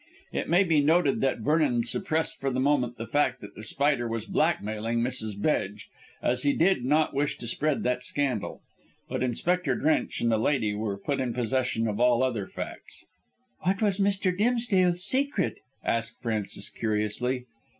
It may be noted that Vernon suppressed for the moment the fact that The Spider was blackmailing Mrs. Bedge, as he did not wish to spread scandal. But Inspector Drench and the lady were put in possession of all other facts. "What was Mr. Dimsdale's secret?" asked Frances curiously.